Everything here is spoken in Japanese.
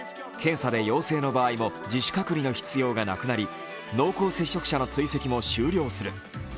検査で陽性の場合も自主隔離の必要がなくなり、濃厚接触者の追跡も終了する。